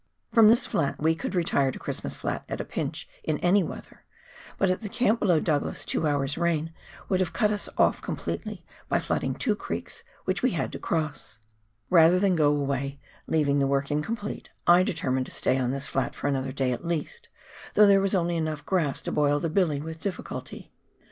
From this flat we could retire to Christmas Flat at a pinch in any weather, but at the camp below the Douglas two hours' rain would have cut us off com pletely by flooding two creeks which we had to cross. Rather 248 PIONEER WORK IN THE ALPS OF NEW ZEALAND. than go away, leaving the work incomplete, I determined to stay on this flat for another day at least, though there was only enough grass to boil the billy with difficulty.